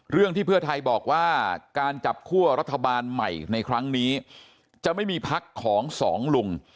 เรื่องที่เพื่อไทยบอกว่าการจับคั่วรัฐบาลใหม่ในครั้งนี้จะไม่มีพักของสองลุง